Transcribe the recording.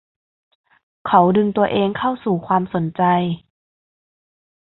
เขาดึงตัวเองเข้าสู่ความสนใจ